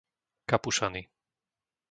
Kapušany